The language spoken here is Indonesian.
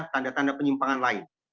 tanda tanda penyimpangan lain